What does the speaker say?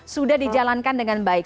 sudah dijalankan dengan baik